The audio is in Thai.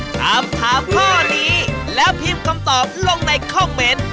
ถามถามข้อนี้แล้วพิมพ์คำตอบลงในคอมเมนต์